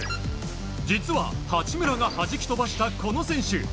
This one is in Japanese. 実は、八村が弾き飛ばしたこの選手